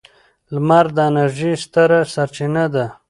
لمر د انرژۍ ستره سرچینه ده.